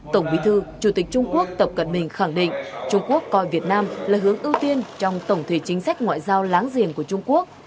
tổng bí thư chủ tịch trung quốc tập cận bình khẳng định trung quốc coi việt nam là hướng ưu tiên trong tổng thể chính sách ngoại giao láng giềng của trung quốc